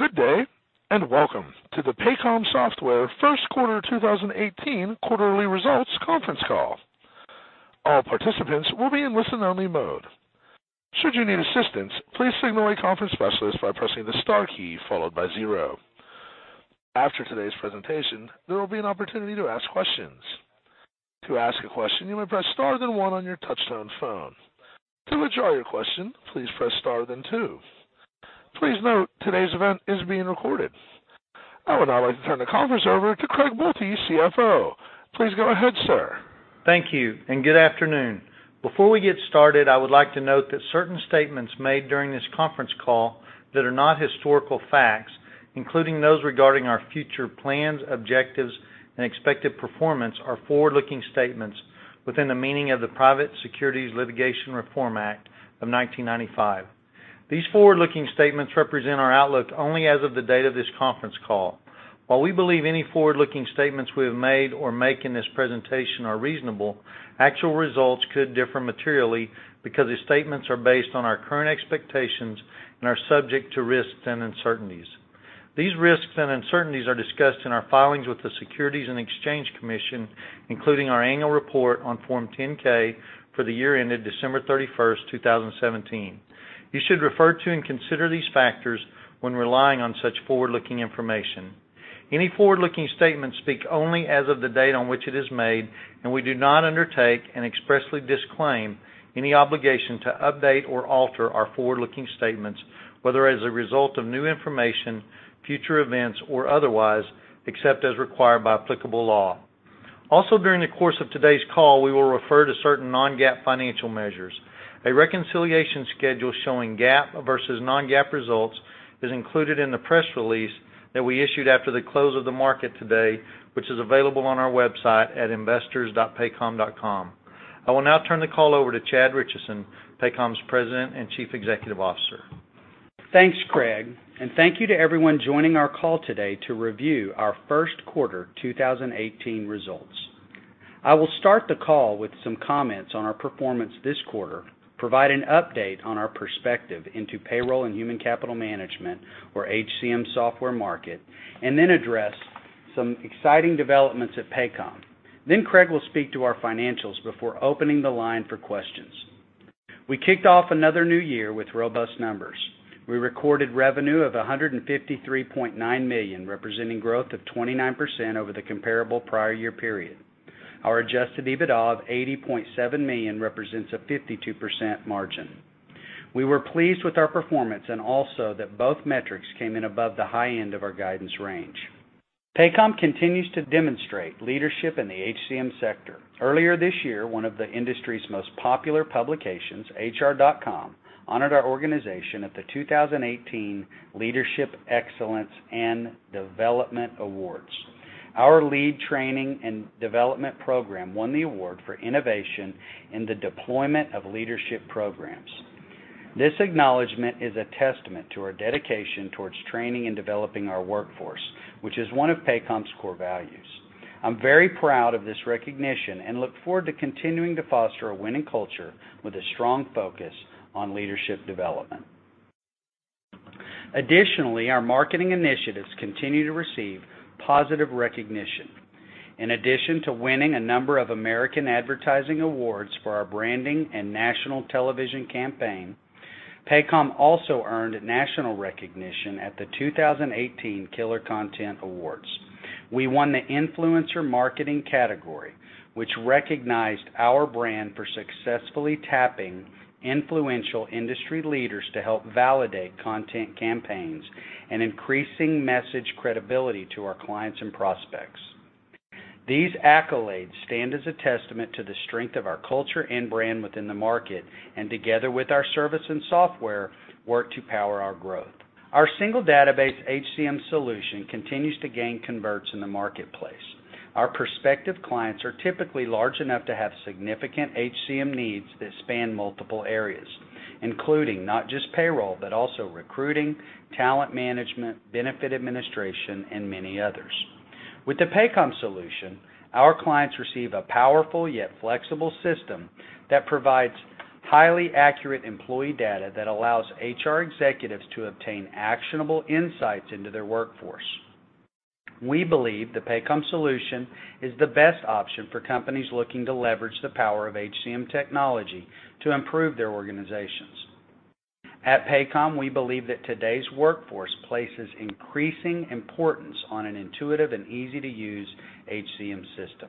Good day, welcome to the Paycom Software first quarter 2018 quarterly results conference call. All participants will be in listen-only mode. Should you need assistance, please signal a conference specialist by pressing the star key followed by zero. After today's presentation, there will be an opportunity to ask questions. To ask a question, you may press star, then one on your touchtone phone. To withdraw your question, please press star, then two. Please note today's event is being recorded. I would now like to turn the conference over to Craig Boelte, CFO. Please go ahead, sir. Thank you, good afternoon. Before we get started, I would like to note that certain statements made during this conference call that are not historical facts, including those regarding our future plans, objectives, and expected performance, are forward-looking statements within the meaning of the Private Securities Litigation Reform Act of 1995. These forward-looking statements represent our outlook only as of the date of this conference call. While we believe any forward-looking statements we have made or make in this presentation are reasonable, actual results could differ materially because these statements are based on our current expectations and are subject to risks and uncertainties. These risks and uncertainties are discussed in our filings with the Securities and Exchange Commission, including our annual report on Form 10-K for the year ended December 31st, 2017. You should refer to and consider these factors when relying on such forward-looking information. Any forward-looking statements speak only as of the date on which it is made, we do not undertake and expressly disclaim any obligation to update or alter our forward-looking statements, whether as a result of new information, future events, or otherwise, except as required by applicable law. Also, during the course of today's call, we will refer to certain non-GAAP financial measures. A reconciliation schedule showing GAAP versus non-GAAP results is included in the press release that we issued after the close of the market today, which is available on our website at investors.paycom.com. I will now turn the call over to Chad Richison, Paycom's President and Chief Executive Officer. Thanks, Craig, thank you to everyone joining our call today to review our first quarter 2018 results. I will start the call with some comments on our performance this quarter, provide an update on our perspective into payroll and human capital management or HCM software market, address some exciting developments at Paycom. Craig will speak to our financials before opening the line for questions. We kicked off another new year with robust numbers. We recorded revenue of $153.9 million, representing growth of 29% over the comparable prior year period. Our adjusted EBITDA of $80.7 million represents a 52% margin. We were pleased with our performance and also that both metrics came in above the high end of our guidance range. Paycom continues to demonstrate leadership in the HCM sector. Earlier this year, one of the industry's most popular publications, HR.com, honored our organization at the 2018 Leadership Excellence and Development Awards. Our lead training and development program won the award for innovation in the deployment of leadership programs. This acknowledgment is a testament to our dedication towards training and developing our workforce, which is one of Paycom's core values. I'm very proud of this recognition and look forward to continuing to foster a winning culture with a strong focus on leadership development. Additionally, our marketing initiatives continue to receive positive recognition. In addition to winning a number of American Advertising Awards for our branding and national television campaign, Paycom also earned national recognition at the 2018 Killer Content Awards. We won the Influencer Marketing category, which recognized our brand for successfully tapping influential industry leaders to help validate content campaigns and increasing message credibility to our clients and prospects. These accolades stand as a testament to the strength of our culture and brand within the market. Together with our service and software, work to power our growth. Our single database HCM solution continues to gain converts in the marketplace. Our prospective clients are typically large enough to have significant HCM needs that span multiple areas, including not just payroll, but also recruiting, talent management, benefit administration, and many others. With the Paycom solution, our clients receive a powerful yet flexible system that provides highly accurate employee data that allows HR executives to obtain actionable insights into their workforce. We believe the Paycom solution is the best option for companies looking to leverage the power of HCM technology to improve their organizations. At Paycom, we believe that today's workforce places increasing importance on an intuitive and easy-to-use HCM system.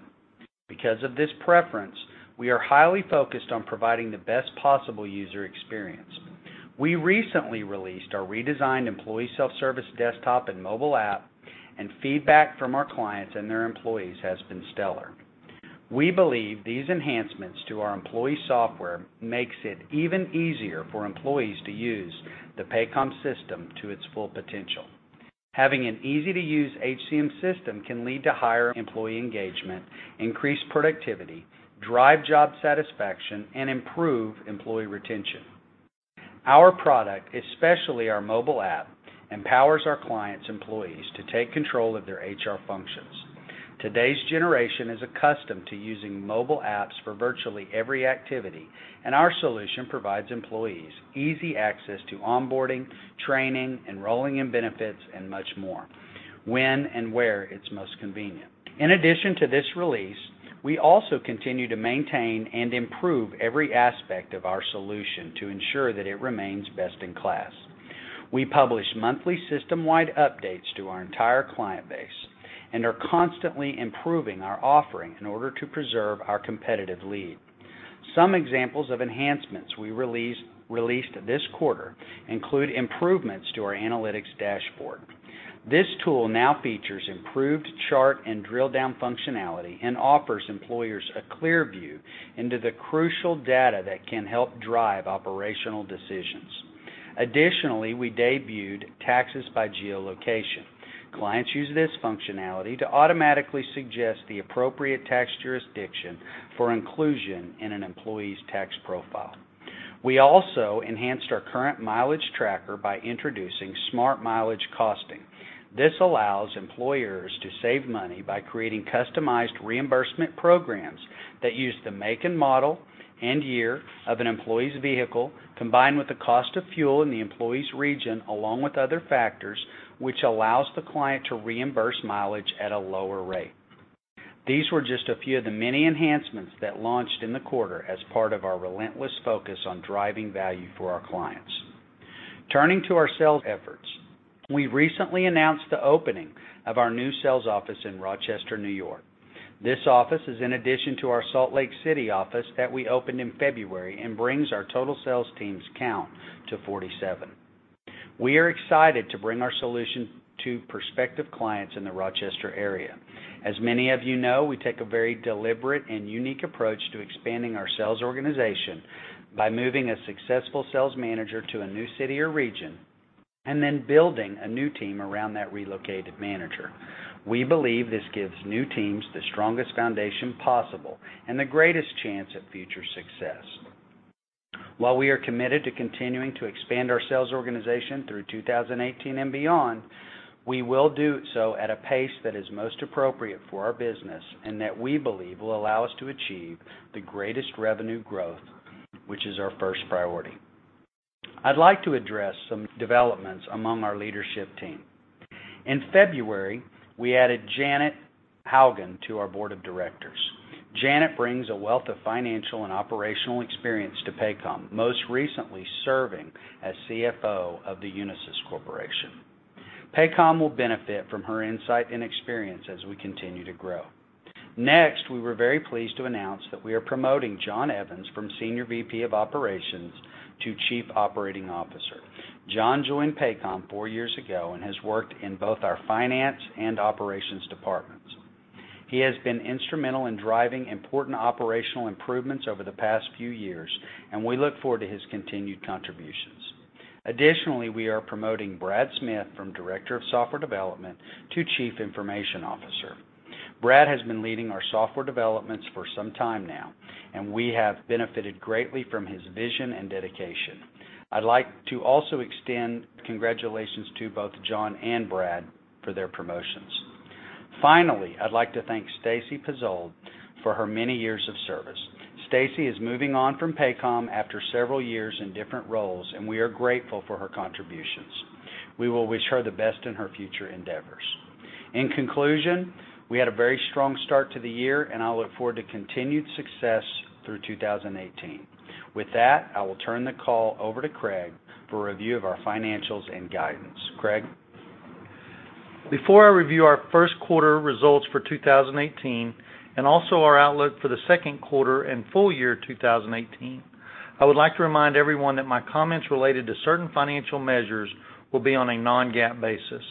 Because of this preference, we are highly focused on providing the best possible user experience. We recently released our redesigned employee self-service desktop and mobile app. Feedback from our clients and their employees has been stellar. We believe these enhancements to our employee software makes it even easier for employees to use the Paycom system to its full potential. Having an easy-to-use HCM system can lead to higher employee engagement, increase productivity, drive job satisfaction, and improve employee retention. Our product, especially our mobile app, empowers our clients' employees to take control of their HR functions. Today's generation is accustomed to using mobile apps for virtually every activity. Our solution provides employees easy access to onboarding, training, enrolling in benefits, and much more, when and where it's most convenient. In addition to this release, we also continue to maintain and improve every aspect of our solution to ensure that it remains best in class. We publish monthly system-wide updates to our entire client base and are constantly improving our offering in order to preserve our competitive lead. Some examples of enhancements we released this quarter include improvements to our analytics dashboard. This tool now features improved chart and drill-down functionality and offers employers a clear view into the crucial data that can help drive operational decisions. Additionally, we debuted taxes by geolocation. Clients use this functionality to automatically suggest the appropriate tax jurisdiction for inclusion in an employee's tax profile. We also enhanced our current mileage tracker by introducing smart mileage costing. This allows employers to save money by creating customized reimbursement programs that use the make and model and year of an employee's vehicle, combined with the cost of fuel in the employee's region, along with other factors, which allows the client to reimburse mileage at a lower rate. These were just a few of the many enhancements that launched in the quarter as part of our relentless focus on driving value for our clients. Turning to our sales efforts, we recently announced the opening of our new sales office in Rochester, N.Y. This office is in addition to our Salt Lake City office that we opened in February and brings our total sales teams count to 47. We are excited to bring our solution to prospective clients in the Rochester area. As many of you know, we take a very deliberate and unique approach to expanding our sales organization by moving a successful sales manager to a new city or region and then building a new team around that relocated manager. We believe this gives new teams the strongest foundation possible and the greatest chance at future success. While we are committed to continuing to expand our sales organization through 2018 and beyond, we will do so at a pace that is most appropriate for our business and that we believe will allow us to achieve the greatest revenue growth, which is our first priority. I'd like to address some developments among our leadership team. In February, we added Janet Haugen to our board of directors. Janet brings a wealth of financial and operational experience to Paycom, most recently serving as CFO of the Unisys Corporation. Paycom will benefit from her insight and experience as we continue to grow. Next, we were very pleased to announce that we are promoting John Evans from Senior VP of Operations to Chief Operating Officer. John joined Paycom four years ago and has worked in both our finance and operations departments. He has been instrumental in driving important operational improvements over the past few years, and we look forward to his continued contributions. Additionally, we are promoting Brad Smith from Director of Software Development to Chief Information Officer. Brad has been leading our software developments for some time now, and we have benefited greatly from his vision and dedication. I'd like to also extend congratulations to both John and Brad for their promotions. Finally, I'd like to thank Stacey Pezold for her many years of service. Stacey is moving on from Paycom after several years in different roles, and we are grateful for her contributions. We will wish her the best in her future endeavors. In conclusion, we had a very strong start to the year, and I look forward to continued success through 2018. With that, I will turn the call over to Craig for review of our financials and guidance. Craig? Before I review our first quarter results for 2018 and also our outlook for the second quarter and full year 2018, I would like to remind everyone that my comments related to certain financial measures will be on a non-GAAP basis.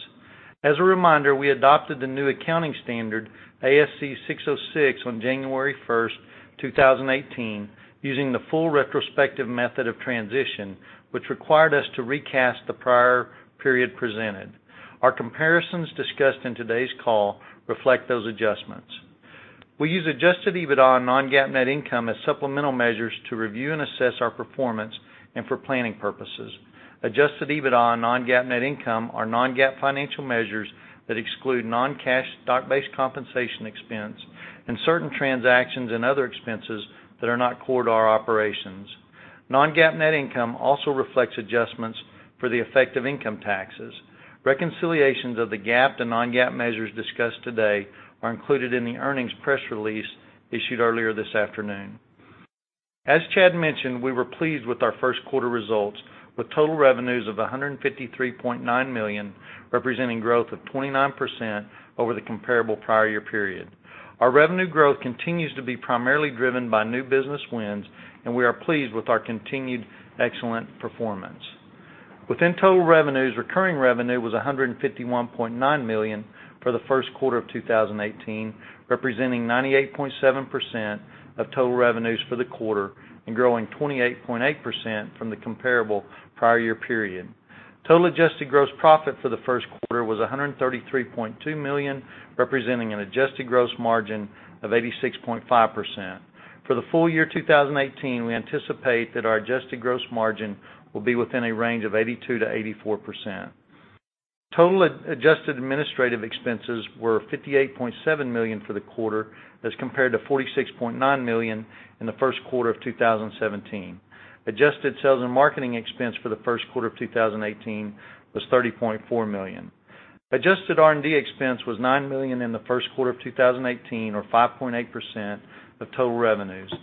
As a reminder, we adopted the new accounting standard, ASC 606, on January 1st, 2018, using the full retrospective method of transition, which required us to recast the prior period presented. Our comparisons discussed in today's call reflect those adjustments. We use adjusted EBITDA and non-GAAP net income as supplemental measures to review and assess our performance and for planning purposes. Adjusted EBITDA and non-GAAP net income are non-GAAP financial measures that exclude non-cash stock-based compensation expense and certain transactions and other expenses that are not core to our operations. Non-GAAP net income also reflects adjustments for the effect of income taxes. Reconciliations of the GAAP to non-GAAP measures discussed today are included in the earnings press release issued earlier this afternoon. As Chad mentioned, we were pleased with our first quarter results with total revenues of $153.9 million, representing growth of 29% over the comparable prior year period. Our revenue growth continues to be primarily driven by new business wins, and we are pleased with our continued excellent performance. Within total revenues, recurring revenue was $151.9 million for the first quarter of 2018, representing 98.7% of total revenues for the quarter and growing 28.8% from the comparable prior year period. Total adjusted gross profit for the first quarter was $133.2 million, representing an adjusted gross margin of 86.5%. For the full year 2018, we anticipate that our adjusted gross margin will be within a range of 82%-84%. Total adjusted administrative expenses were $58.7 million for the quarter as compared to $46.9 million in the first quarter of 2017. Adjusted sales and marketing expense for the first quarter of 2018 was $30.4 million. Adjusted R&D expense was $9 million in the first quarter of 2018, or 5.8% of total revenues.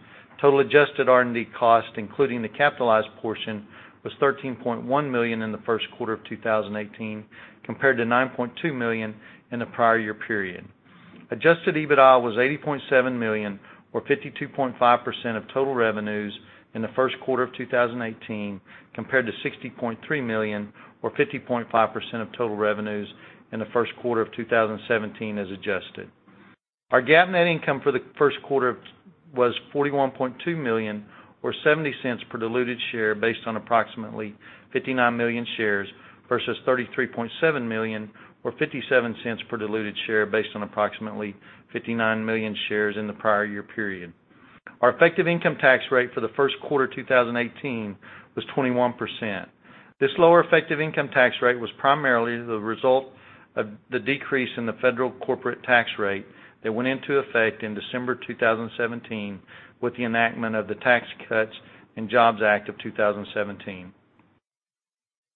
Total adjusted R&D cost, including the capitalized portion, was $13.1 million in the first quarter of 2018, compared to $9.2 million in the prior year period. Adjusted EBITDA was $80.7 million, or 52.5% of total revenues in the first quarter of 2018, compared to $60.3 million or 50.5% of total revenues in the first quarter of 2017 as adjusted. Our GAAP net income for the first quarter was $41.2 million, or $0.70 per diluted share based on approximately 59 million shares versus $33.7 million, or $0.57 per diluted share based on approximately 59 million shares in the prior year period. Our effective income tax rate for the first quarter 2018 was 21%. This lower effective income tax rate was primarily the result of the decrease in the federal corporate tax rate that went into effect in December 2017 with the enactment of the Tax Cuts and Jobs Act of 2017.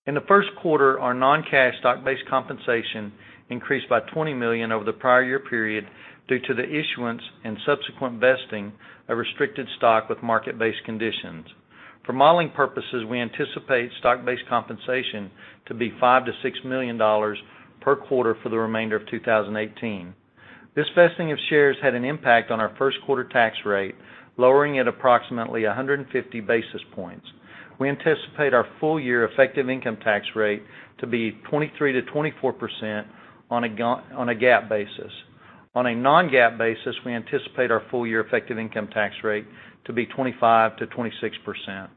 In the first quarter, our non-cash stock-based compensation increased by $20 million over the prior year period due to the issuance and subsequent vesting of restricted stock with market-based conditions. For modeling purposes, we anticipate stock-based compensation to be $5 million-$6 million per quarter for the remainder of 2018. This vesting of shares had an impact on our first quarter tax rate, lowering it approximately 150 basis points. We anticipate our full year effective income tax rate to be 23%-24% on a GAAP basis. On a non-GAAP basis, we anticipate our full year effective income tax rate to be 25%-26%.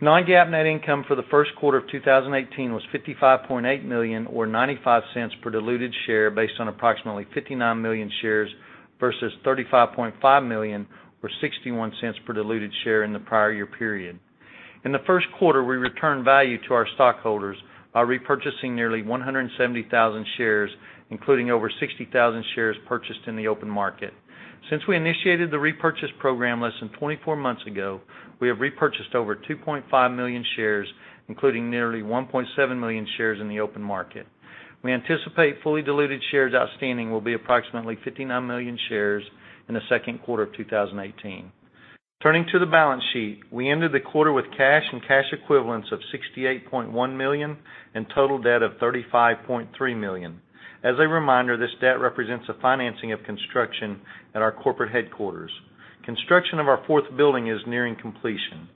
Non-GAAP net income for the first quarter of 2018 was $55.8 million or $0.95 per diluted share based on approximately 59 million shares versus $35.5 million or $0.61 per diluted share in the prior year period. In the first quarter, we returned value to our stockholders by repurchasing nearly 170,000 shares, including over 60,000 shares purchased in the open market. Since we initiated the repurchase program less than 24 months ago, we have repurchased over 2.5 million shares, including nearly 1.7 million shares in the open market. We anticipate fully diluted shares outstanding will be approximately 59 million shares in the second quarter of 2018. Turning to the balance sheet. We ended the quarter with cash and cash equivalents of $68.1 million and total debt of $35.3 million. As a reminder, this debt represents the financing of construction at our corporate headquarters. Construction of our fourth building is nearing completion.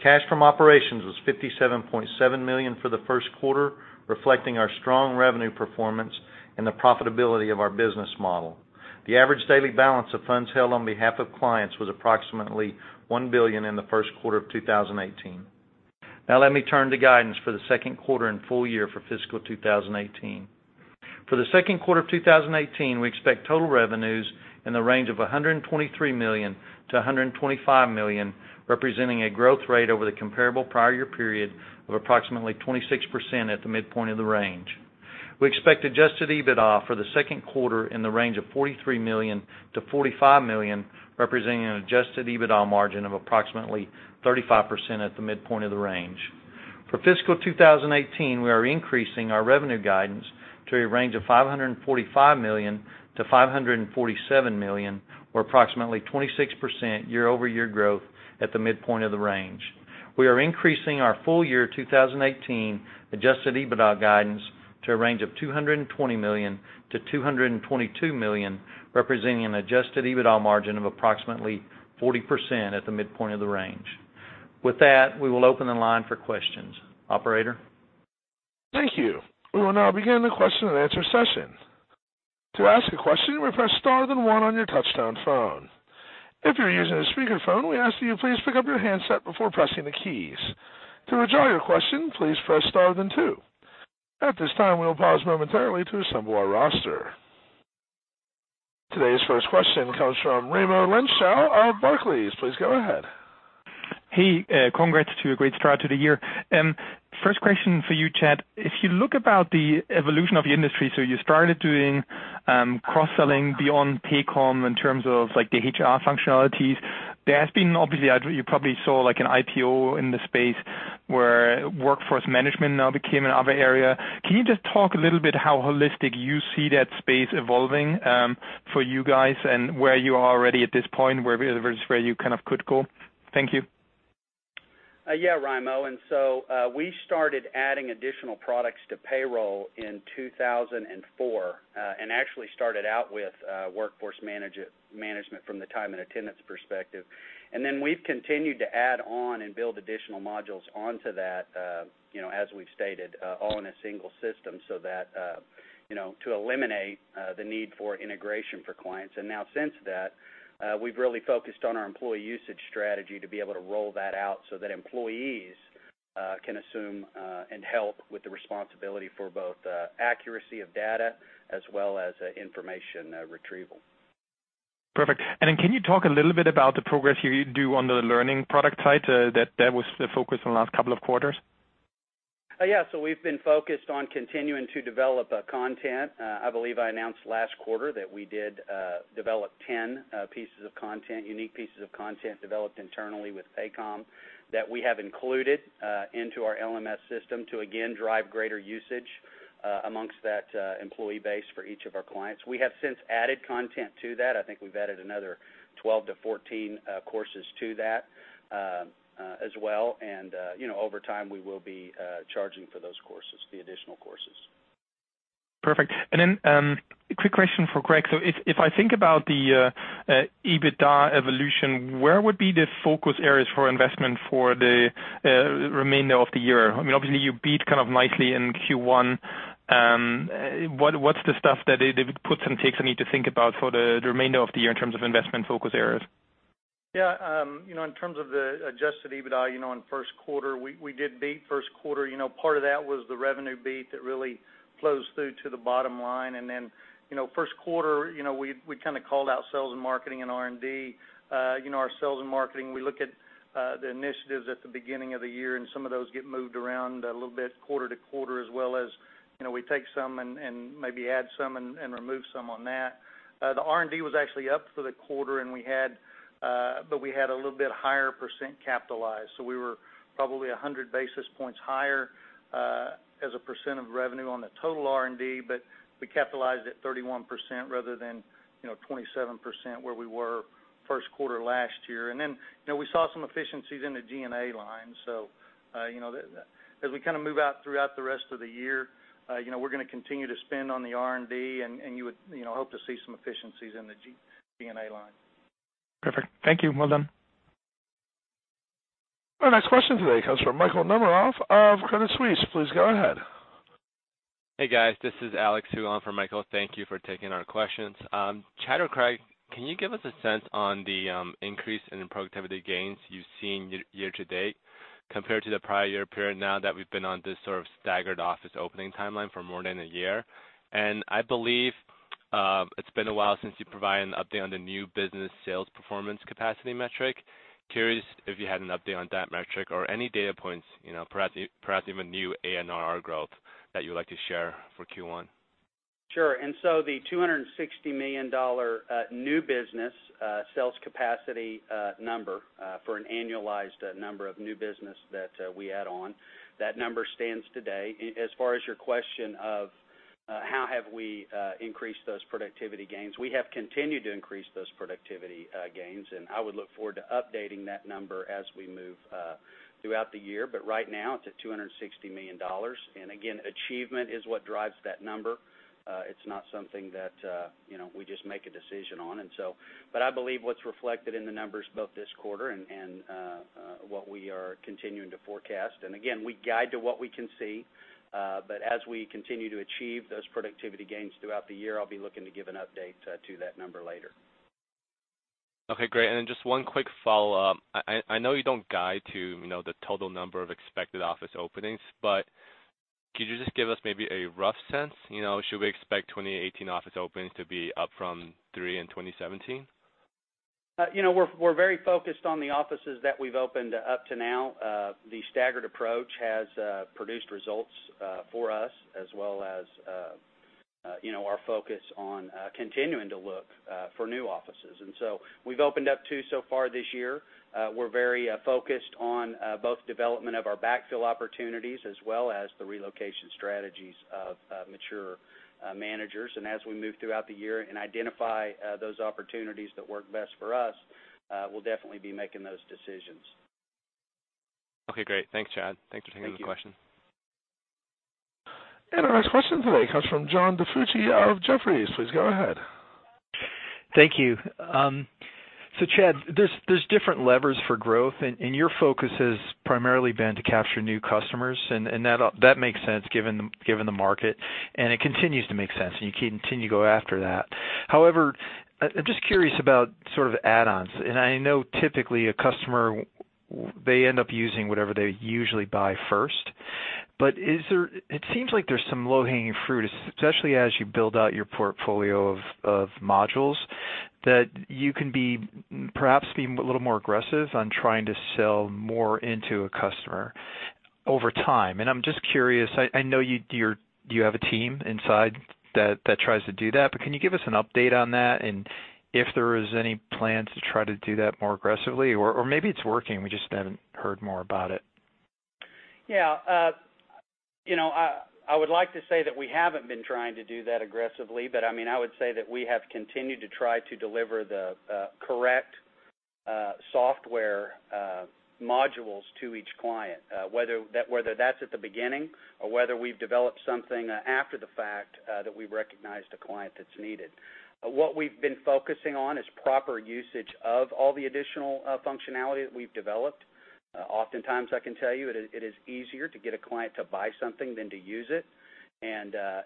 Cash from operations was $57.7 million for the first quarter, reflecting our strong revenue performance and the profitability of our business model. The average daily balance of funds held on behalf of clients was approximately $1 billion in the first quarter of 2018. Let me turn to guidance for the second quarter and full year for fiscal 2018. For the second quarter of 2018, we expect total revenues in the range of $123 million-$125 million, representing a growth rate over the comparable prior year period of approximately 26% at the midpoint of the range. We expect adjusted EBITDA for the second quarter in the range of $43 million-$45 million, representing an adjusted EBITDA margin of approximately 35% at the midpoint of the range. For fiscal 2018, we are increasing our revenue guidance to a range of $545 million-$547 million, or approximately 26% year-over-year growth at the midpoint of the range. We are increasing our full year 2018 adjusted EBITDA guidance to a range of $220 million-$222 million, representing an adjusted EBITDA margin of approximately 40% at the midpoint of the range. With that, we will open the line for questions. Operator? Thank you. We will now begin the question and answer session. To ask a question, press star then one on your touchtone phone. If you're using a speakerphone, we ask that you please pick up your handset before pressing the keys. To withdraw your question, please press star then two. At this time, we will pause momentarily to assemble our roster. Today's first question comes from Raimo Lenschow of Barclays. Please go ahead. Hey, congrats to a great start to the year. First question for you, Chad. If you look about the evolution of the industry, you started doing cross-selling beyond Paycom in terms of the HR functionalities. There has been obviously, you probably saw an IPO in the space where workforce management now became another area. Can you just talk a little bit how holistic you see that space evolving for you guys and where you are already at this point, where you kind of could go? Thank you. Yeah, Raimo. We started adding additional products to payroll in 2004, and actually started out with workforce management from the time and attendance perspective. We've continued to add on and build additional modules onto that, as we've stated, all in a single system to eliminate the need for integration for clients. Since that, we've really focused on our employee usage strategy to be able to roll that out so that employees can assume and help with the responsibility for both accuracy of data as well as information retrieval. Perfect. Can you talk a little bit about the progress you do on the learning product side that was the focus in the last couple of quarters? Yeah. We've been focused on continuing to develop content. I believe I announced last quarter that we did develop 10 pieces of content, unique pieces of content, developed internally with Paycom that we have included into our LMS system to, again, drive greater usage amongst that employee base for each of our clients. We have since added content to that. I think we've added another 12 to 14 courses to that as well. Over time, we will be charging for those courses, the additional courses. Perfect. Quick question for Craig. If I think about the EBITDA evolution, where would be the focus areas for investment for the remainder of the year? Obviously, you beat nicely in Q1. What's the stuff that puts and takes I need to think about for the remainder of the year in terms of investment focus areas? In terms of the adjusted EBITDA in first quarter, we did beat first quarter. Part of that was the revenue beat that really flows through to the bottom line. First quarter, we called out sales and marketing and R&D. Our sales and marketing, we look at the initiatives at the beginning of the year, and some of those get moved around a little bit quarter-to-quarter as well as we take some and maybe add some and remove some on that. The R&D was actually up for the quarter, but we had a little bit higher percent capitalized. We were probably 100 basis points higher as a percent of revenue on the total R&D, but we capitalized at 31% rather than 27% where we were first quarter last year. We saw some efficiencies in the G&A line. As we move out throughout the rest of the year, we're going to continue to spend on the R&D, and you would hope to see some efficiencies in the G&A line. Perfect. Thank you. Well done. Our next question today comes from Michael Nemeroff of Credit Suisse. Please go ahead. Hey, guys. This is Alex Hu on for Michael. Thank you for taking our questions. Chad or Craig, can you give us a sense on the increase in productivity gains you've seen year to date compared to the prior year period now that we've been on this sort of staggered office opening timeline for more than a year? I believe it's been a while since you provided an update on the new business sales performance capacity metric. Curious if you had an update on that metric or any data points, perhaps even new ANRR growth that you would like to share for Q1. Sure. The $260 million new business sales capacity number for an annualized number of new business that we add on, that number stands today. As far as your question of how have we increased those productivity gains, we have continued to increase those productivity gains, and I would look forward to updating that number as we move throughout the year. Right now, it's at $260 million. Again, achievement is what drives that number. It's not something that we just make a decision on. I believe what's reflected in the numbers both this quarter and what we are continuing to forecast. Again, we guide to what we can see. As we continue to achieve those productivity gains throughout the year, I'll be looking to give an update to that number later. Okay, great. Just one quick follow-up. I know you don't guide to the total number of expected office openings, but could you just give us maybe a rough sense? Should we expect 2018 office openings to be up from three in 2017? We're very focused on the offices that we've opened up to now. The staggered approach has produced results for us, as well as our focus on continuing to look for new offices. So we've opened up two so far this year. We're very focused on both development of our backfill opportunities as well as the relocation strategies of mature managers. As we move throughout the year and identify those opportunities that work best for us, we'll definitely be making those decisions. Okay, great. Thanks, Chad. Thanks for taking the question. Thank you. Our next question today comes from John DiFucci of Jefferies. Please go ahead. Thank you. Chad, there's different levers for growth, and your focus has primarily been to capture new customers, and that makes sense given the market, and it continues to make sense, and you continue to go after that. However, I'm just curious about add-ons. I know typically a customer, they end up using whatever they usually buy first. It seems like there's some low-hanging fruit, especially as you build out your portfolio of modules, that you can perhaps be a little more aggressive on trying to sell more into a customer over time. I'm just curious, I know you have a team inside that tries to do that, but can you give us an update on that? If there is any plan to try to do that more aggressively? Maybe it's working, we just haven't heard more about it. Yeah. I would like to say that we haven't been trying to do that aggressively, but I would say that we have continued to try to deliver the correct software modules to each client whether that's at the beginning or whether we've developed something after the fact that we've recognized a client that's needed. What we've been focusing on is proper usage of all the additional functionality that we've developed. Oftentimes, I can tell you, it is easier to get a client to buy something than to use it.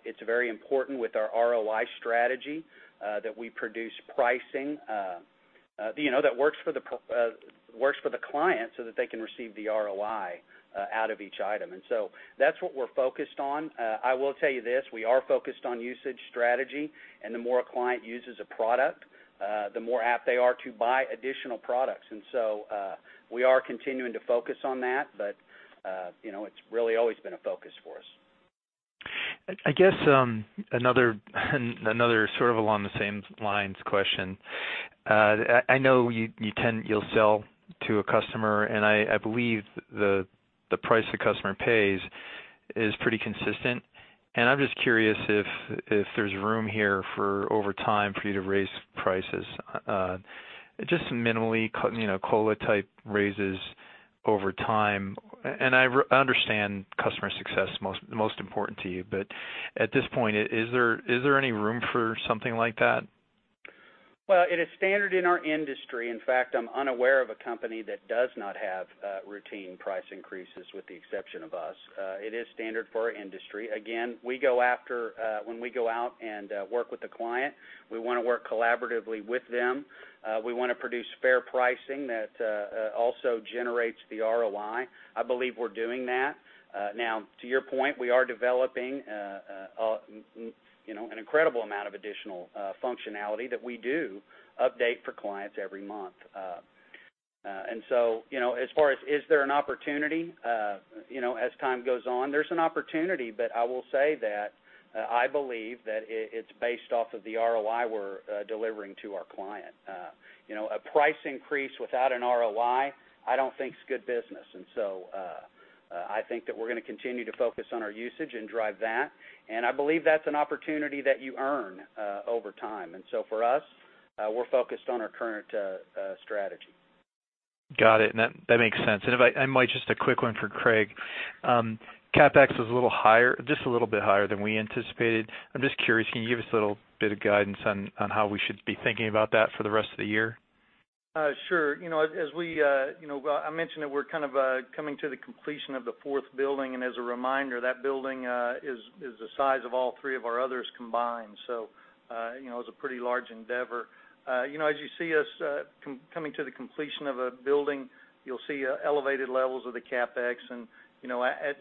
It's very important with our ROI strategy that we produce pricing that works for the client so that they can receive the ROI out of each item. That's what we're focused on. I will tell you this, we are focused on usage strategy, and the more a client uses a product, the more apt they are to buy additional products. We are continuing to focus on that. It's really always been a focus for us. I guess, another sort of along the same lines question. I know you'll sell to a customer, and I believe the price the customer pays is pretty consistent, and I'm just curious if there's room here for over time for you to raise prices, just minimally, cola type raises over time. I understand customer success is most important to you, but at this point, is there any room for something like that? It is standard in our industry. In fact, I'm unaware of a company that does not have routine price increases, with the exception of us. It is standard for our industry. Again, when we go out and work with a client, we want to work collaboratively with them. We want to produce fair pricing that also generates the ROI. I believe we're doing that. Now, to your point, we are developing an incredible amount of additional functionality that we do update for clients every month. As far as, is there an opportunity as time goes on? There's an opportunity, but I will say that I believe that it's based off of the ROI we're delivering to our client. A price increase without an ROI, I don't think is good business. I think that we're going to continue to focus on our usage and drive that, and I believe that's an opportunity that you earn over time. For us, we're focused on our current strategy. Got it. That makes sense. If I might, just a quick one for Craig. CapEx was just a little bit higher than we anticipated. I'm just curious, can you give us a little bit of guidance on how we should be thinking about that for the rest of the year? Sure. I mentioned that we're kind of coming to the completion of the fourth building, and as a reminder, that building is the size of all three of our others combined. It's a pretty large endeavor. As you see us coming to the completion of a building, you'll see elevated levels of the CapEx, and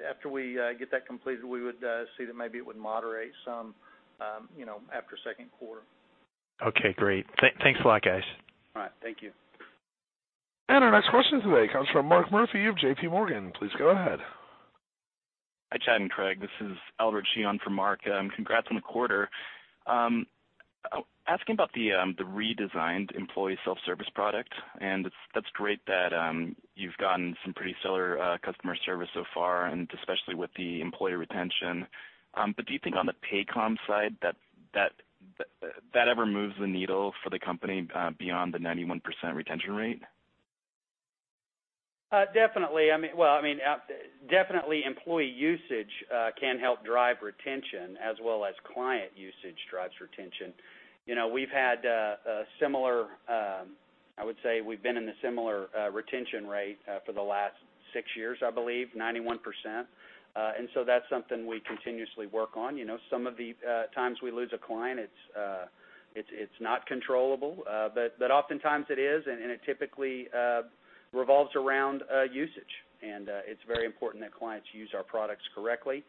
after we get that completed, we would see that maybe it would moderate some after second quarter. Okay, great. Thanks a lot, guys. All right. Thank you. Our next question today comes from Mark Murphy of JPMorgan. Please go ahead. Hi, Chad and Craig. This is Albert Chi for Mark. Congrats on the quarter. Asking about the redesigned employee self-service product, and that's great that you've gotten some pretty stellar customer service so far, and especially with the employee retention. Do you think on the Paycom side, that ever moves the needle for the company beyond the 91% retention rate? Well, definitely employee usage can help drive retention as well as client usage drives retention. We've had a similar retention rate for the last six years, I believe, 91%. That's something we continuously work on. Some of the times we lose a client, it's not controllable. Oftentimes it is, and it typically revolves around usage. It's very important that clients use our products correctly,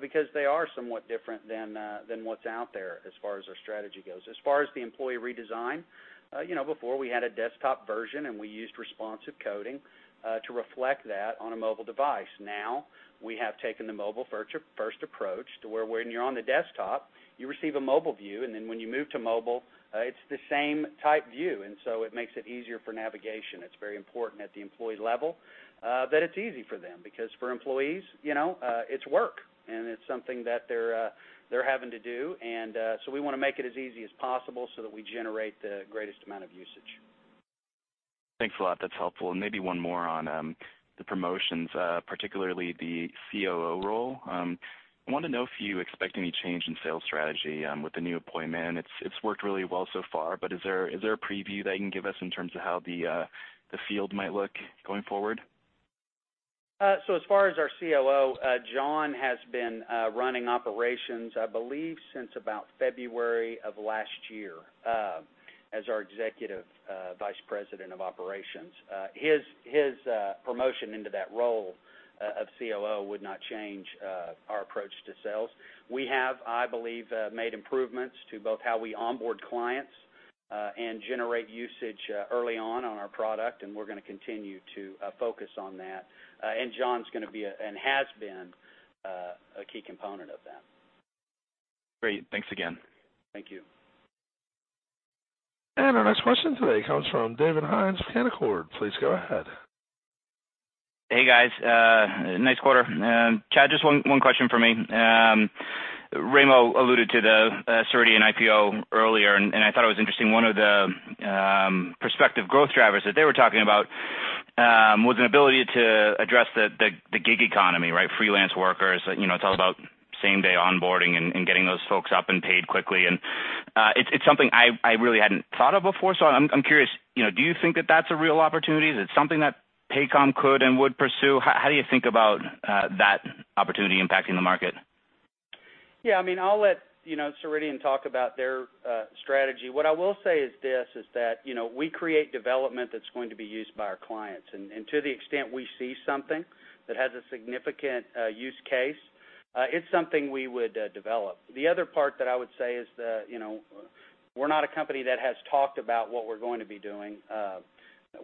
because they are somewhat different than what's out there as far as our strategy goes. As far as the employee redesign, before we had a desktop version, and we used responsive coding to reflect that on a mobile device. Now, we have taken the mobile-first approach to where when you're on the desktop, you receive a mobile view, and then when you move to mobile, it's the same type view. It makes it easier for navigation. It's very important at the employee level, that it's easy for them, because for employees, it's work, and it's something that they're having to do. We want to make it as easy as possible so that we generate the greatest amount of usage. Thanks a lot. That's helpful. Maybe one more on the promotions, particularly the COO role. I wanted to know if you expect any change in sales strategy with the new appointment. It's worked really well so far, is there a preview that you can give us in terms of how the field might look going forward? As far as our COO, John has been running operations, I believe since about February of last year, as our Executive Vice President of Operations. His promotion into that role of COO would not change our approach to sales. We have, I believe, made improvements to both how we onboard clients and generate usage early on our product, we're going to continue to focus on that. John's going to be, and has been, a key component of that. Great. Thanks again. Thank you. Our next question today comes from David Hynes of Canaccord. Please go ahead. Hey, guys. Nice quarter. Chad, just one question from me. Raimo alluded to the Ceridian IPO earlier, and I thought it was interesting, one of the prospective growth drivers that they were talking about was an ability to address the gig economy, freelance workers. It's all about same-day onboarding and getting those folks up and paid quickly. It's something I really hadn't thought of before, so I'm curious, do you think that that's a real opportunity? Is it something that Paycom could and would pursue? How do you think about that opportunity impacting the market? Yeah, I'll let Ceridian talk about their strategy. What I will say is this, is that we create development that's going to be used by our clients. To the extent we see something that has a significant use case, it's something we would develop. The other part that I would say is that we're not a company that has talked about what we're going to be doing.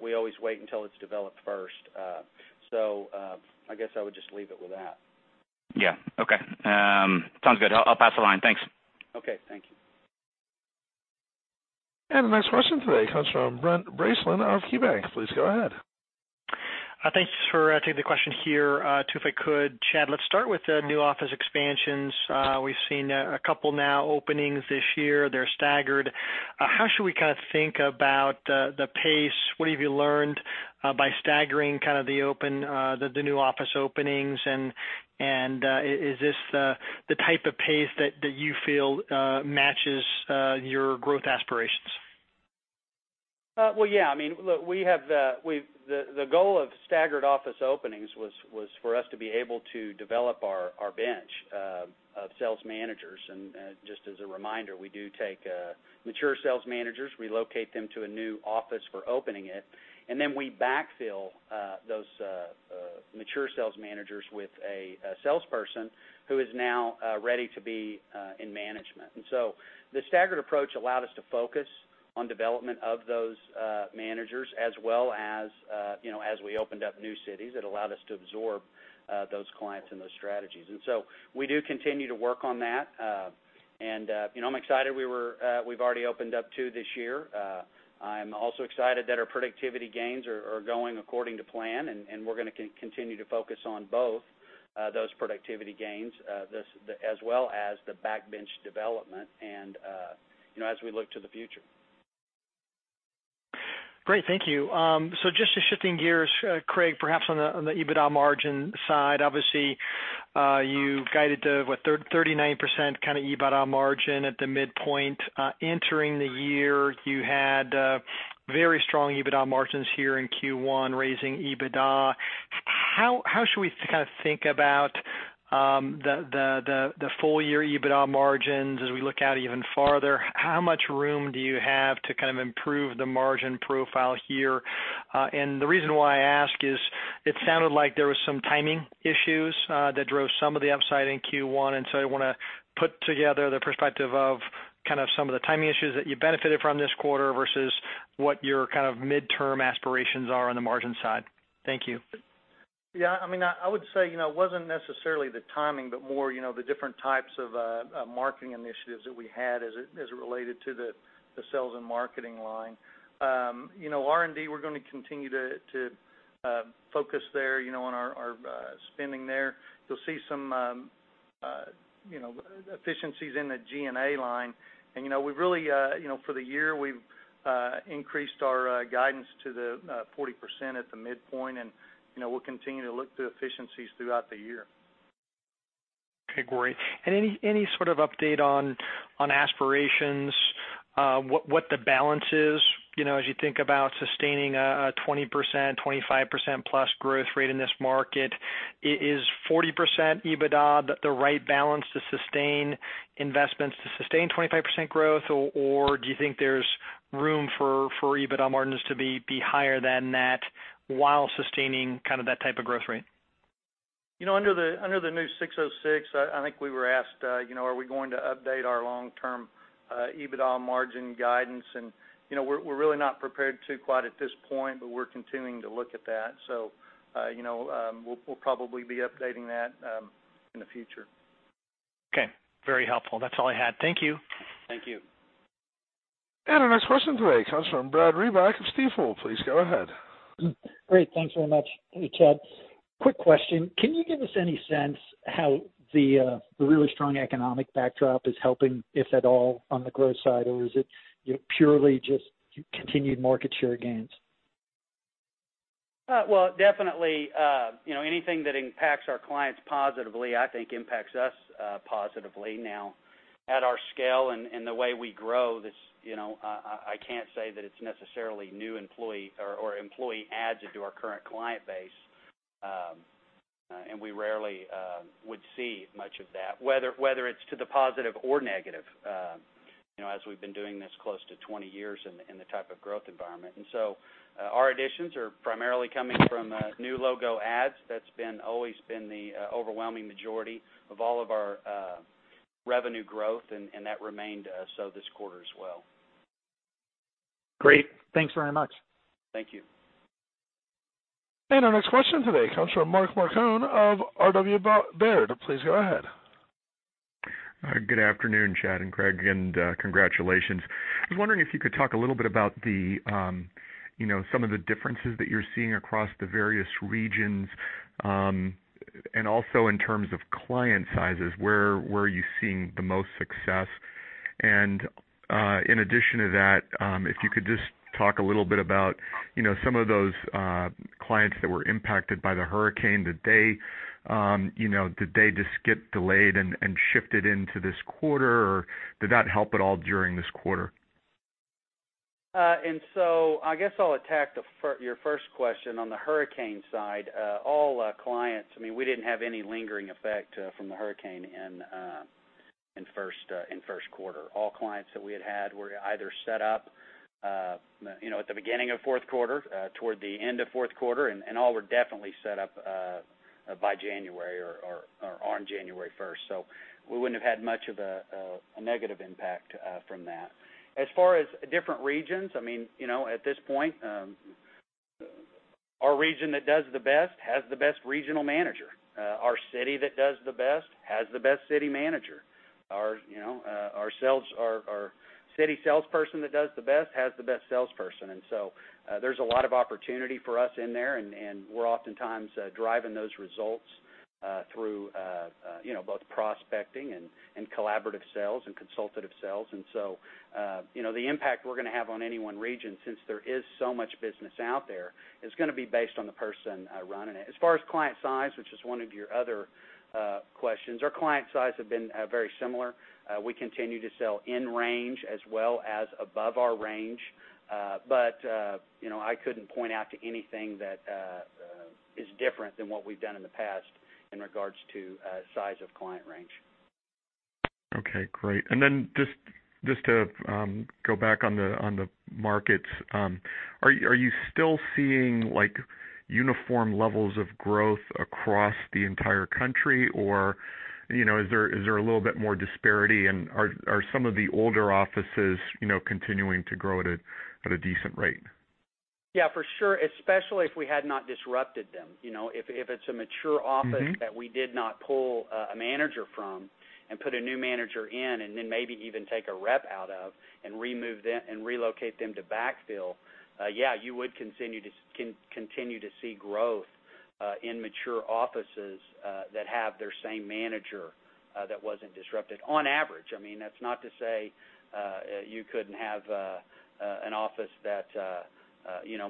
We always wait until it's developed first. I guess I would just leave it with that. Yeah. Okay. Sounds good. I'll pass the line. Thanks. Okay. Thank you. The next question today comes from Brent Bracelin of KeyBanc. Please go ahead. Thanks for taking the question here. If I could, Chad, let's start with the new office expansions. We've seen a couple now openings this year. They're staggered. How should we think about the pace? What have you learned by staggering the new office openings? Is this the type of pace that you feel matches your growth aspirations? Well, yeah. The goal of staggered office openings was for us to be able to develop our bench of sales managers. Just as a reminder, we do take mature sales managers, relocate them to a new office for opening it, and then we backfill those mature sales managers with a salesperson who is now ready to be in management. The staggered approach allowed us to focus on development of those managers as well as we opened up new cities. It allowed us to absorb those clients and those strategies. We do continue to work on that. I'm excited we've already opened up two this year. I'm also excited that our productivity gains are going according to plan, and we're going to continue to focus on both those productivity gains as well as the back bench development as we look to the future. Great. Thank you. Just shifting gears, Craig, perhaps on the EBITDA margin side. Obviously, you guided the, what, 39% kind of EBITDA margin at the midpoint. Entering the year, you had very strong EBITDA margins here in Q1, raising EBITDA. How should we think about the full-year EBITDA margins as we look out even farther? How much room do you have to improve the margin profile here? The reason why I ask is it sounded like there was some timing issues that drove some of the upside in Q1, and so I want to put together the perspective of some of the timing issues that you benefited from this quarter versus what your midterm aspirations are on the margin side. Thank you. Yeah, I would say it wasn't necessarily the timing, but more the different types of marketing initiatives that we had as it related to the sales and marketing line. R&D, we're going to continue to focus there on our spending there. You'll see some efficiencies in the G&A line. For the year, we've increased our guidance to the 40% at the midpoint, and we'll continue to look to efficiencies throughout the year. Okay, great. Any sort of update on aspirations, what the balance is as you think about sustaining a 20%-25% plus growth rate in this market? Is 40% EBITDA the right balance to sustain investments to sustain 25% growth? Or do you think there's room for EBITDA margins to be higher than that while sustaining that type of growth rate? Under the new 606, I think we were asked, are we going to update our long-term EBITDA margin guidance? We're really not prepared to quite at this point, but we're continuing to look at that. We'll probably be updating that in the future. Okay. Very helpful. That's all I had. Thank you. Thank you. Our next question today comes from Brad Reback of Stifel. Please go ahead. Great. Thanks very much. Hey, Chad, quick question. Can you give us any sense how the really strong economic backdrop is helping, if at all, on the growth side? Or is it purely just continued market share gains? Well, definitely anything that impacts our clients positively, I think impacts us positively. Now, at our scale and the way we grow this, I can't say that it's necessarily new employee or employee adds into our current client base. We rarely would see much of that, whether it's to the positive or negative, as we've been doing this close to 20 years in the type of growth environment. Our additions are primarily coming from new logo adds. That's always been the overwhelming majority of all of our revenue growth, and that remained so this quarter as well. Great. Thanks very much. Thank you. Our next question today comes from Mark Marcon of RW Baird. Please go ahead. Good afternoon, Chad and Craig, and congratulations. I was wondering if you could talk a little bit about some of the differences that you're seeing across the various regions. Also in terms of client sizes, where are you seeing the most success? In addition to that, if you could just talk a little bit about some of those clients that were impacted by the hurricane. Did they just get delayed and shifted into this quarter, or did that help at all during this quarter? I guess I'll attack your first question on the hurricane side. All clients, we didn't have any lingering effect from the hurricane in first quarter. All clients that we had had were either set up at the beginning of fourth quarter, toward the end of fourth quarter, and all were definitely set up by January or on January 1st. We wouldn't have had much of a negative impact from that. As far as different regions, at this point, our region that does the best has the best regional manager. Our city that does the best has the best city manager. Our city salesperson that does the best has the best salesperson. There's a lot of opportunity for us in there, and we're oftentimes driving those results through both prospecting and collaborative sales and consultative sales. the impact we're going to have on any one region, since there is so much business out there, is going to be based on the person running it. As far as client size, which is one of your other questions, our client size have been very similar. We continue to sell in range as well as above our range. I couldn't point out to anything that is different than what we've done in the past in regards to size of client range. Okay, great. just to go back on the markets, are you still seeing uniform levels of growth across the entire country, or is there a little bit more disparity, and are some of the older offices continuing to grow at a decent rate? Yeah, for sure, especially if we had not disrupted them. If it's a mature office that we did not pull a manager from and put a new manager in, and then maybe even take a rep out of and relocate them to backfill, yeah, you would continue to see growth in mature offices that have their same manager that wasn't disrupted. On average. That's not to say you couldn't have an office that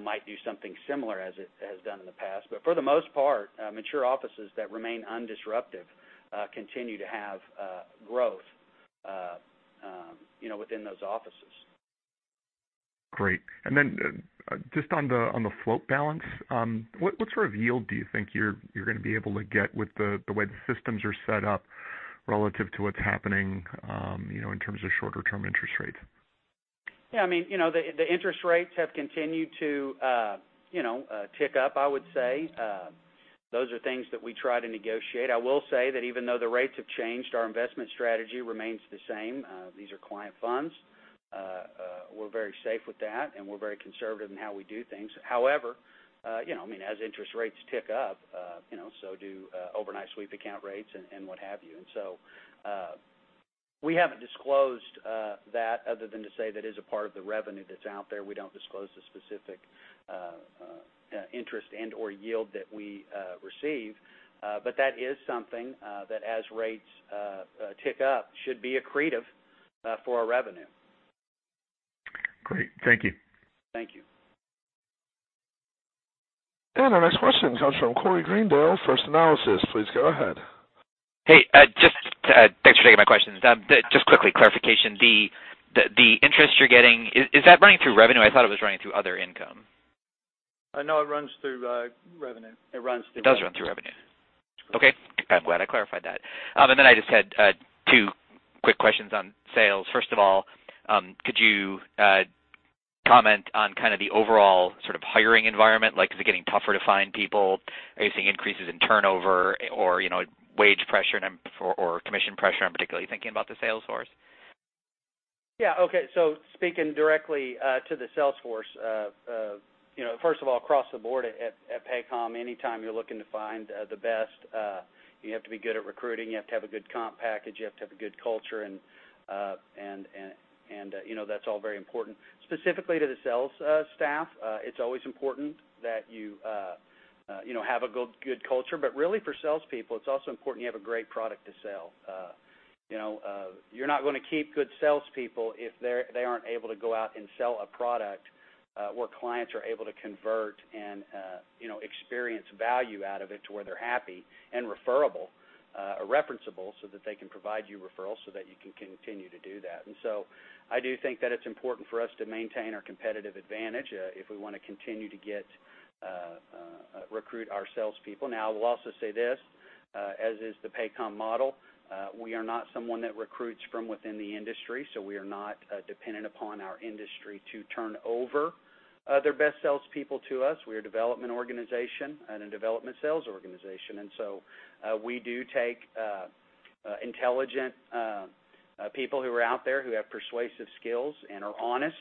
might do something similar as it has done in the past. for the most part, mature offices that remain undisrupted continue to have growth within those offices. Great. Just on the float balance, what sort of yield do you think you're going to be able to get with the way the systems are set up relative to what's happening in terms of shorter-term interest rates? Yeah, the interest rates have continued to tick up, I would say. Those are things that we try to negotiate. I will say that even though the rates have changed, our investment strategy remains the same. These are client funds. We're very safe with that, and we're very conservative in how we do things. However, as interest rates tick up, so do overnight sweep account rates and what have you. We haven't disclosed that other than to say that is a part of the revenue that's out there. We don't disclose the specific interest and/or yield that we receive. That is something that as rates tick up, should be accretive for our revenue. Great. Thank you. Thank you. Our next question comes from Corey Greendale, First Analysis. Please go ahead. Hey, thanks for taking my questions. Just quickly, clarification, the interest you're getting, is that running through revenue? I thought it was running through other income. No, it runs through revenue. It runs through revenue. It does run through revenue. Okay. I'm glad I clarified that. I just had two quick questions on sales. First of all, could you comment on kind of the overall sort of hiring environment? Like, is it getting tougher to find people? Are you seeing increases in turnover or wage pressure or commission pressure? I'm particularly thinking about the sales force. Yeah. Okay. Speaking directly to the sales force. First of all, across the board at Paycom, anytime you're looking to find the best, you have to be good at recruiting, you have to have a good comp package, you have to have a good culture, and that's all very important. Specifically to the sales staff, it's always important that you have a good culture. Really for salespeople, it's also important you have a great product to sell. You're not going to keep good salespeople if they aren't able to go out and sell a product where clients are able to convert and experience value out of it to where they're happy and referable, or referenceable, so that they can provide you referrals so that you can continue to do that. I do think that it's important for us to maintain our competitive advantage if we want to continue to recruit our salespeople. Now, I will also say this, as is the Paycom model, we are not someone that recruits from within the industry, we are not dependent upon our industry to turn over their best salespeople to us. We are a development organization and a development sales organization. We do take intelligent people who are out there who have persuasive skills and are honest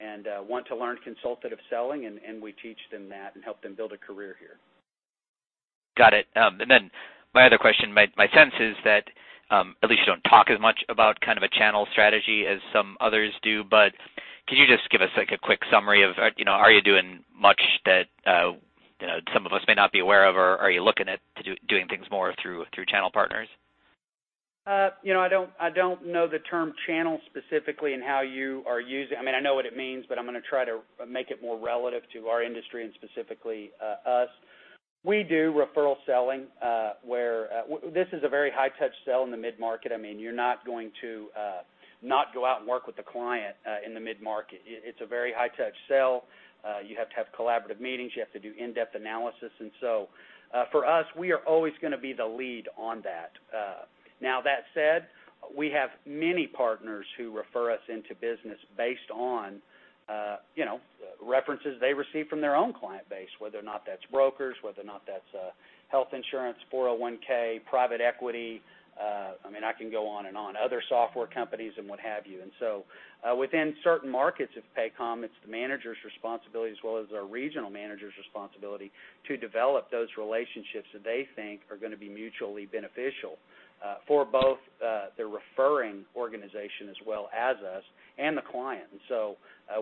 and want to learn consultative selling, and we teach them that and help them build a career here. Got it. My other question, my sense is that at least you don't talk as much about kind of a channel strategy as some others do, could you just give us a quick summary of are you doing much that some of us may not be aware of, or are you looking at doing things more through channel partners? I don't know the term channel specifically and how you are using I know what it means, but I'm going to try to make it more relative to our industry and specifically us. We do referral selling, where this is a very high-touch sell in the mid-market. You're not going to not go out and work with the client in the mid-market. It's a very high-touch sell. You have to have collaborative meetings, you have to do in-depth analysis. For us, we are always going to be the lead on that. Now that said, we have many partners who refer us into business based on references they receive from their own client base, whether or not that's brokers, whether or not that's health insurance, 401(k), private equity. I can go on and on. Other software companies and what have you. Within certain markets of Paycom, it's the manager's responsibility as well as our regional manager's responsibility to develop those relationships that they think are going to be mutually beneficial, for both the referring organization as well as us and the client.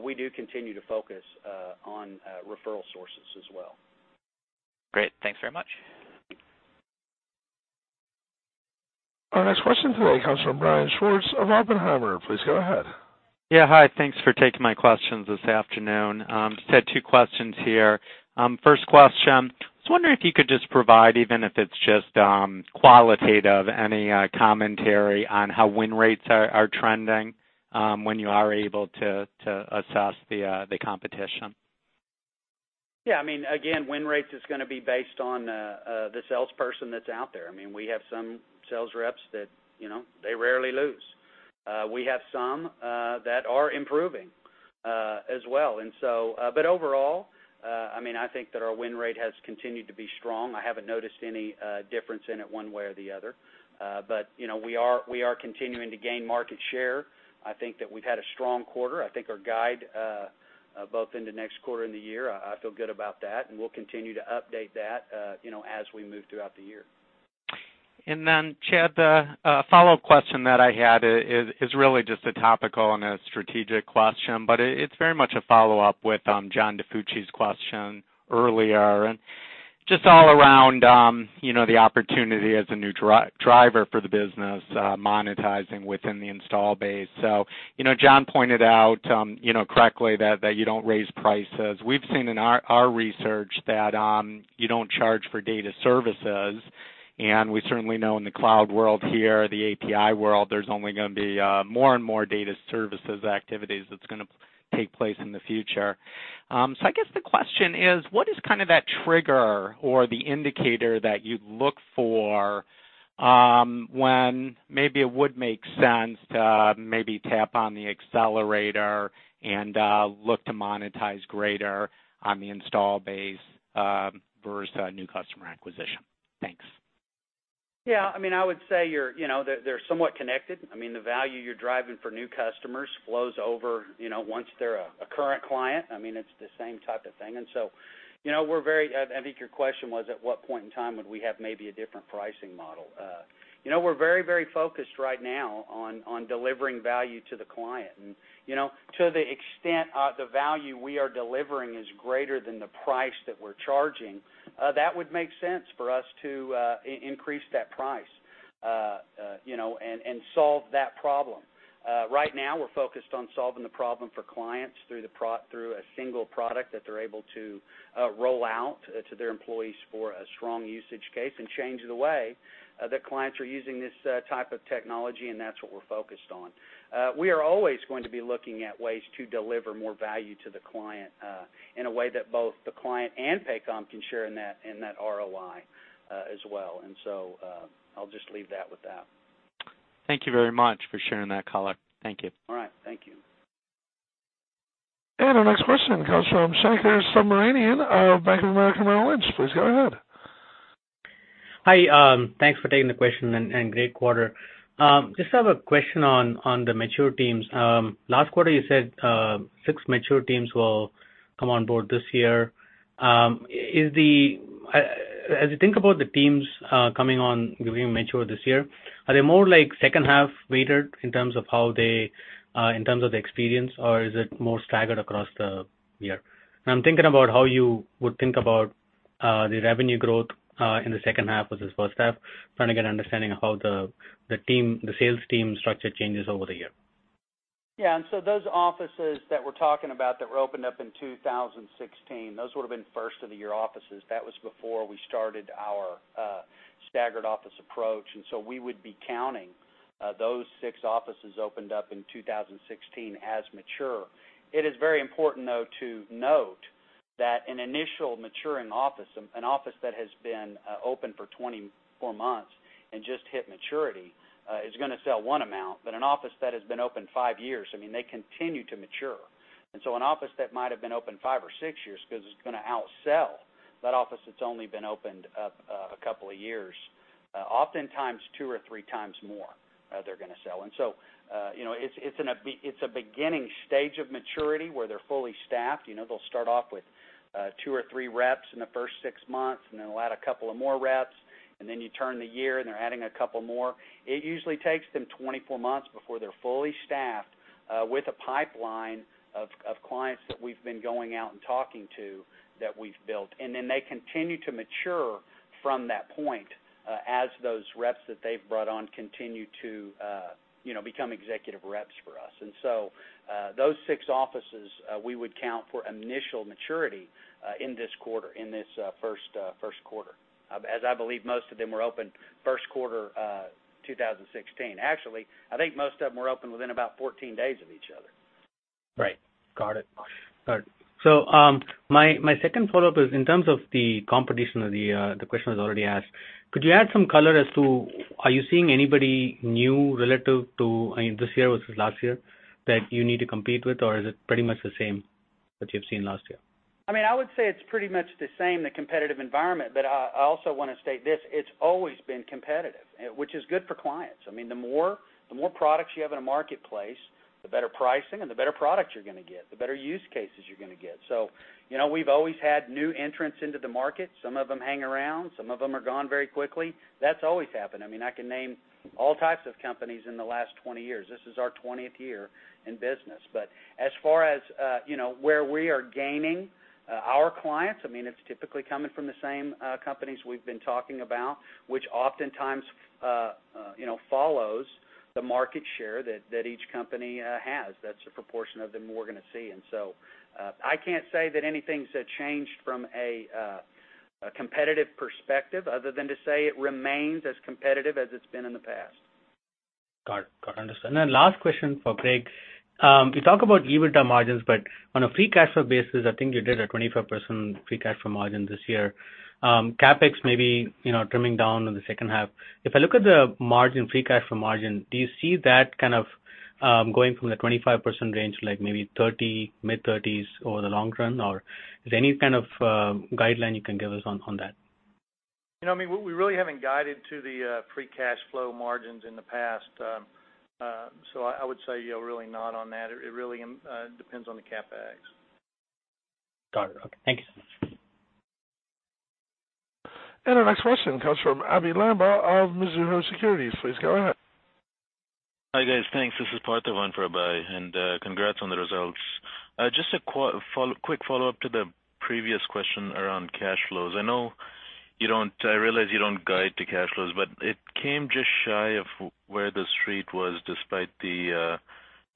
We do continue to focus on referral sources as well. Great. Thanks very much. Our next question today comes from Brian Schwartz of Oppenheimer. Please go ahead. Yeah. Hi, thanks for taking my questions this afternoon. Chad, two questions here. First question, I was wondering if you could just provide, even if it's just qualitative, any commentary on how win rates are trending, when you are able to assess the competition. Yeah. Again, win rates is going to be based on the salesperson that's out there. We have some sales reps that rarely lose. We have some that are improving as well. Overall, I think that our win rate has continued to be strong. I haven't noticed any difference in it one way or the other. We are continuing to gain market share. I think that we've had a strong quarter. I think our guide, both in the next quarter and the year, I feel good about that, and we'll continue to update that as we move throughout the year. Chad, the follow-up question that I had is really just a topical and a strategic question, but it's very much a follow-up with John DiFucci's question earlier, and just all around the opportunity as a new driver for the business, monetizing within the install base. John pointed out correctly that you don't raise prices. We've seen in our research that you don't charge for data services, and we certainly know in the cloud world here, the API world, there's only going to be more and more data services activities that's going to take place in the future. I guess the question is, what is that trigger or the indicator that you'd look for when maybe it would make sense to maybe tap on the accelerator and look to monetize greater on the install base, versus new customer acquisition? Thanks. Yeah, I would say they're somewhat connected. The value you're driving for new customers flows over once they're a current client. It's the same type of thing. I think your question was, at what point in time would we have maybe a different pricing model? We're very focused right now on delivering value to the client. To the extent the value we are delivering is greater than the price that we're charging, that would make sense for us to increase that price and solve that problem. Right now we're focused on solving the problem for clients through a single product that they're able to roll out to their employees for a strong usage case and change the way that clients are using this type of technology and that's what we're focused on. We are always going to be looking at ways to deliver more value to the client, in a way that both the client and Paycom can share in that ROI as well. I'll just leave that with that. Thank you very much for sharing that color. Thank you. All right. Thank you. Our next question comes from Shankar Subramanian of Bank of America Merrill Lynch. Please go ahead. Hi, thanks for taking the question, and great quarter. Just have a question on the mature teams. Last quarter you said six mature teams will come on board this year. As you think about the teams coming on, becoming mature this year, are they more second half weighted in terms of the experience, or is it more staggered across the year? I'm thinking about how you would think about the revenue growth in the second half versus first half, trying to get an understanding of how the sales team structure changes over the year. Yeah. Those offices that we're talking about that were opened up in 2016, those would've been first of the year offices. That was before we started our staggered office approach. We would be counting those six offices opened up in 2016 as mature. It is very important, though, to note that an initial maturing office, an office that has been open for 24 months and just hit maturity, is going to sell one amount, but an office that has been open five years, they continue to mature. An office that might have been open five or six years, because it's going to outsell that office that's only been opened up a couple of years, oftentimes two or three times more they're going to sell. It's a beginning stage of maturity where they're fully staffed. They'll start off with two or three reps in the first six months, they'll add a couple of more reps, you turn the year and they're adding a couple more. It usually takes them 24 months before they're fully staffed, with a pipeline of clients that we've been going out and talking to that we've built. They continue to mature from that point, as those reps that they've brought on continue to become executive reps for us. Those six offices, we would count for initial maturity in this quarter, in this first quarter, as I believe most of them were open first quarter 2016. Actually, I think most of them were open within about 14 days of each other. Right. Got it. My second follow-up is in terms of the competition, the question was already asked, could you add some color as to, are you seeing anybody new relative to this year versus last year that you need to compete with or is it pretty much the same that you've seen last year? I would say it's pretty much the same, the competitive environment. I also want to state this, it's always been competitive, which is good for clients. The more products you have in a marketplace, the better pricing and the better products you're going to get, the better use cases you're going to get. We've always had new entrants into the market. Some of them hang around, some of them are gone very quickly. That's always happened. I can name all types of companies in the last 20 years. This is our 20th year in business. As far as where we are gaining our clients, it's typically coming from the same companies we've been talking about, which oftentimes follows the market share that each company has. That's the proportion of them we're going to see. I can't say that anything's changed from a competitive perspective other than to say it remains as competitive as it's been in the past. Got it. Understood. Last question for Craig. You talk about EBITDA margins, but on a free cash flow basis, I think you did a 25% free cash flow margin this year. CapEx may be trimming down in the second half. If I look at the margin, free cash flow margin, do you see that kind of going from the 25% range, like maybe 30, mid-30s over the long run? Or is there any kind of guideline you can give us on that? We really haven't guided to the free cash flow margins in the past. I would say, really not on that. It really depends on the CapEx. Got it. Okay. Thank you so much. Our next question comes from Abhey Lamba of Mizuho Securities. Please go ahead. Hi, guys. Thanks. This is Partha, one for Abhi, congrats on the results. Just a quick follow-up to the previous question around cash flows. I realize you don't guide to cash flows, but it came just shy of where The Street was despite the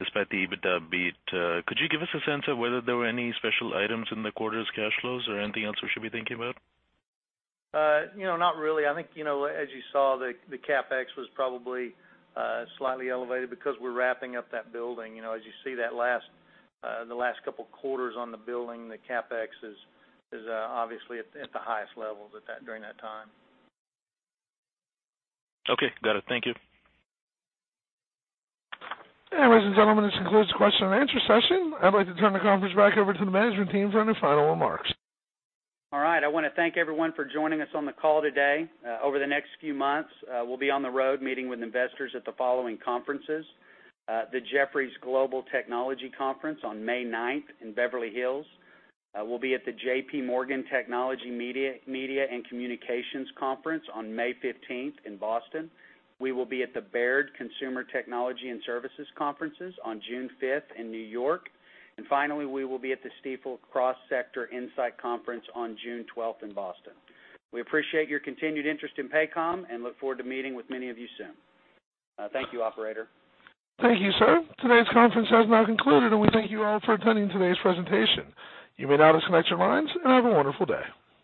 EBITDA beat. Could you give us a sense of whether there were any special items in the quarter's cash flows or anything else we should be thinking about? Not really. I think, as you saw, the CapEx was probably slightly elevated because we're wrapping up that building. As you see, the last couple of quarters on the building, the CapEx is obviously at the highest levels during that time. Okay, got it. Thank you. Ladies and gentlemen, this concludes the question and answer session. I'd like to turn the conference back over to the management team for any final remarks. All right. I want to thank everyone for joining us on the call today. Over the next few months, we'll be on the road meeting with investors at the following conferences: the Jefferies Global Technology Conference on May 9th in Beverly Hills. We'll be at the J.P. Morgan Technology, Media & Communications Conference on May 15th in Boston. We will be at the Baird Consumer, Technology & Services Conferences on June 5th in New York. Finally, we will be at the Stifel Cross Sector Insight Conference on June 12th in Boston. We appreciate your continued interest in Paycom and look forward to meeting with many of you soon. Thank you, operator. Thank you, sir. Today's conference has now concluded, and we thank you all for attending today's presentation. You may now disconnect your lines, and have a wonderful day.